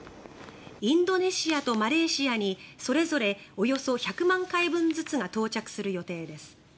インドネシアとマレーシアにそれぞれおよそ１００万回分ずつが到着する予定です。